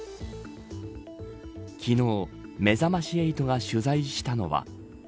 昨日めざまし８が取材したのは。